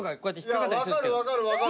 分かる分かる分かる。